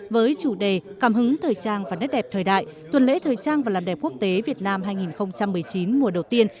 với chủ đề cảm hứng thời trang và nét đẹp thời đại tuần lễ thời trang và làm đẹp quốc tế việt nam hai nghìn một mươi chín mùa đầu tiên